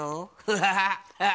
ハハハハ。